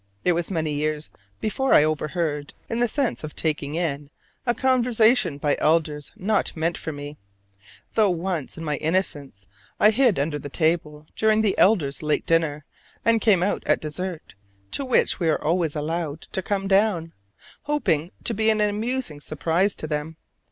It was many years before I overheard, in the sense of taking in, a conversation by elders not meant for me: though once, in my innocence, I hid under the table during the elders' late dinner, and came out at dessert, to which we were always allowed to come down, hoping to be an amusing surprise to them.